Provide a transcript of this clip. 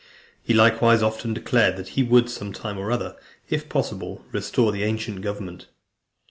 He likewise often declared that he would, some time or other, if possible, restore the ancient government.